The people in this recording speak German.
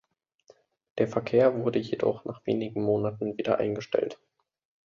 Der Verkehr wurde jedoch nach wenigen Monaten wieder eingestellt.